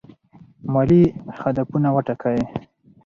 مالي هدفونه وټاکئ.